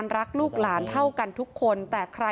รักก็เท่ากันนั่นแหละ